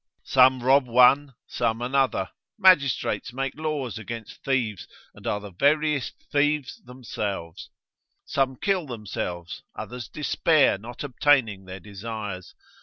Some rob one, some another: magistrates make laws against thieves, and are the veriest thieves themselves. Some kill themselves, others despair, not obtaining their desires.